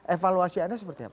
evaluasi anda seperti apa